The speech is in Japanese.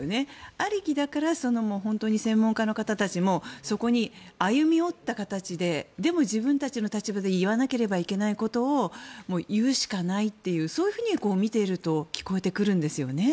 ありきだから本当に専門家の方たちもそこに歩み寄った形ででも、自分たちの立場で言わなければいけないことを言うしかないと見ているとそう思えるんですよね。